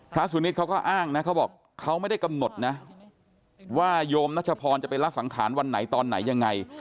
สุนิทเขาก็อ้างนะเขาบอกเขาไม่ได้กำหนดนะว่าโยมนัชพรจะไปละสังขารวันไหนตอนไหนยังไง